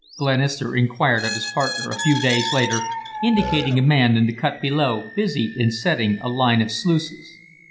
Glenister inquired of his partner, a few days later, indicating a man in the cut below, busied in setting a line of sluices.